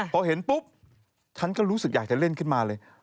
พอเห็นปุ๊บฉันก็รู้สึกอยากจะเล่นขึ้นมาเลย